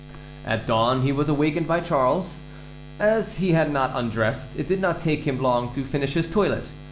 At dawn he was awakened by Charles. As he had not undressed, it did not take him long to finish his toilet.